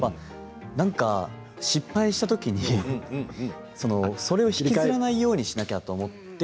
何か失敗した時にそれを引きずらないようにしなきゃと思って。